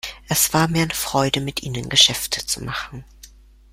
Es war mir eine Freude, mit Ihnen Geschäfte zu machen.